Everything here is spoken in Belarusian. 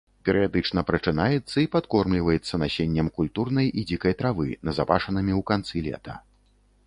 Перыядычна прачынаецца і падкормліваецца насеннем культурнай і дзікай травы, назапашанымі ў канцы лета.